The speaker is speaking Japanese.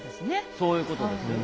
そういうことですよね。